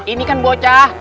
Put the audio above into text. ini kan bocah